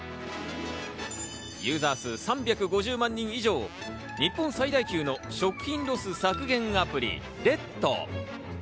ユーザー数３５０万人以上、日本最大級の食品ロス削減アプリ、レット。